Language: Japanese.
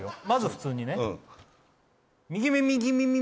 まず普通にね。